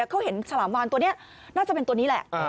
เขาเห็นฉลามวานตัวนี้น่าจะเป็นตัวนี้แหละ